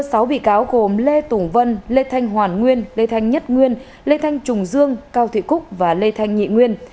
sáu bị cáo gồm lê tùng vân lê thanh hoàn nguyên lê thanh nhất nguyên lê thanh trùng dương cao thị cúc và lê thanh nhị nguyên